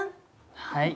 はい。